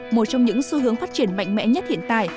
một trong những xu hướng phát triển mạnh mẽ nhất hiện tại